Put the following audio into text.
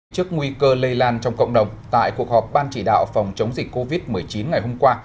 trước nguy cơ lây lan trong cộng đồng tại cuộc họp ban chỉ đạo phòng chống dịch covid một mươi chín ngày hôm qua